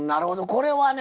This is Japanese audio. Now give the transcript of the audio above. これはね